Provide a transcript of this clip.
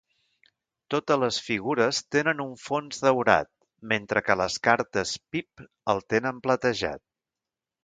Totes les figures tenen un fons daurat, mentre que les cartes pip el tenen platejat.